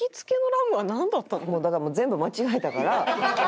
だからもう全部間違えたから。